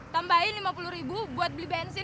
tambahin lima puluh ribu buat beli bensin